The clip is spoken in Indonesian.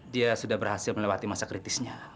dia sudah berhasil melewati masa kritisnya